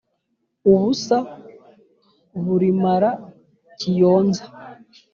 Ubusa burimara Kiyonza